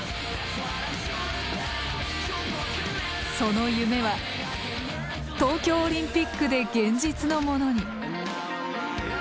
その夢は東京オリンピックで現実のものに。